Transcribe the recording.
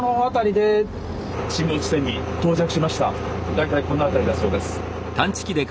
大体この辺りだそうです。